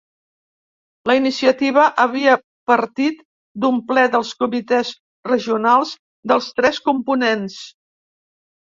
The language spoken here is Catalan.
La iniciativa havia partit d'un ple dels comitès regionals dels tres components.